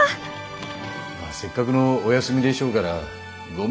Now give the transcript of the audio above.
せっかくのお休みでしょうからご迷惑だったら。